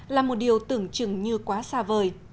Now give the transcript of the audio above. là một điều tưởng chừng như quá xa vời